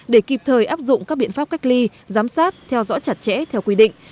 để kịp thời áp dụng các biện pháp cách ly giám sát theo dõi chặt chẽ theo quy định